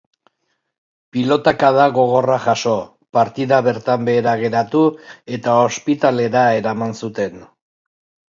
Pilotakada gogorra jaso, partida bertan behera geratu eta ospitalera eraman zuten.